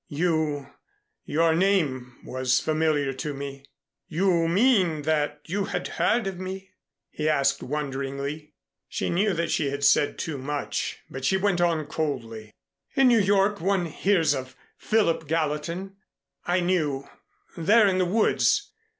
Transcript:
You your name was familiar to me." "You mean that you had heard of me?" he asked wonderingly. She knew that she had said too much, but she went on coldly. "In New York one hears of Philip Gallatin. I knew there in the woods.